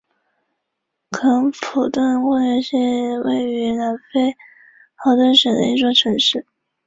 富士冢是富士信仰模仿富士山营造的人工的山或冢。